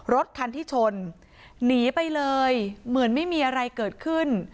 รถคันที่ชนหนีไปเลยเหมือนไม่มีอะไรเกิดขึ้น